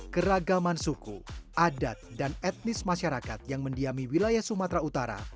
keragaman suku adat dan etnis masyarakat yang mendiami wilayah sumatera utara